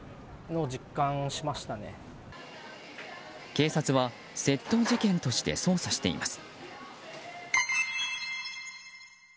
警察は窃盗事件として捜査しています。